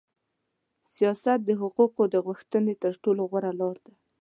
سیاست د حقوقو د غوښتنې تر ټولو غوړه لار ده.